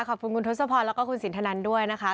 ขอบคุณคุณทศพรแล้วก็คุณสินทนันด้วยนะคะ